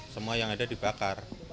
semua yang ada dibakar